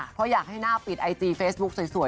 เพราะอยากให้หน้าปิดไอจีเฟซบุ๊คสวย